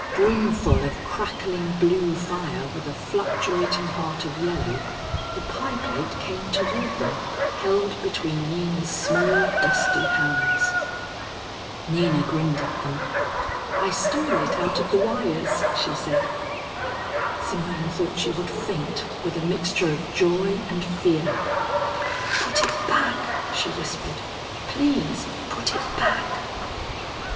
Brimfull of crackling blue fire with a fluctuating heart of yellow, the pie plate came toward them, held between Nina's small, dusty hands. Nina grinned at them. "I stole it out of the wires," she said. Simone thought she would faint with a mixture of joy and fear. "Put it back," she whispered. "Please put it back."